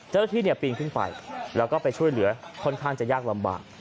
เจ้าหน้าที่ปีนขึ้นไปแล้วก็ไปช่วยเหลือค่อนข้างจะยากลำบาก